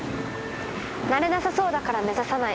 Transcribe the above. なれなさそうだから目指さない。